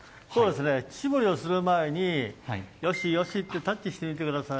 乳搾りをする前に、よしよしとタッチしてあげてください。